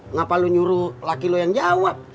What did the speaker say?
ngapa lu nyuruh laki lu yang jawab